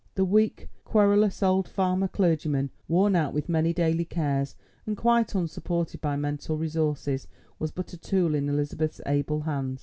The weak, querulous old farmer clergyman, worn out with many daily cares and quite unsupported by mental resources, was but a tool in Elizabeth's able hands.